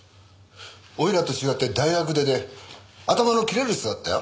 俺らと違って大学出で頭の切れる人だったよ。